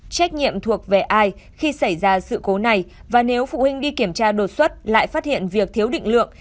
trách nhiệm thuộc về ai khi xảy ra sự cố này và nếu phụ huynh đi kiểm tra đột xuất lại phát hiện việc thiếu định lượng